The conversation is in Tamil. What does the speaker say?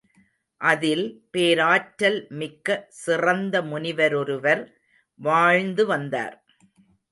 அதில் பேராற்றல் மிக்க சிறந்த முனிவரொருவர் வாழ்ந்து வந்தார்.